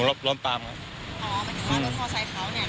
อ๋อมันก็จะล้มข้อใส่เขาเนี่ย